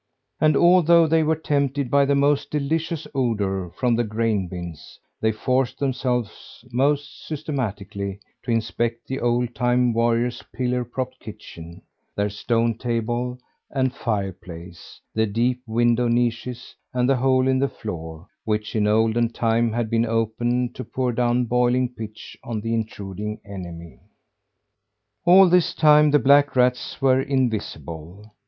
And although they were tempted by the most delicious odour from the grain bins, they forced themselves most systematically to inspect the old time warriors' pillar propped kitchen; their stone table, and fireplace; the deep window niches, and the hole in the floor which in olden time had been opened to pour down boiling pitch on the intruding enemy. All this time the black rats were invisible.